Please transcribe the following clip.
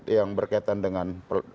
yang berkaitan dengan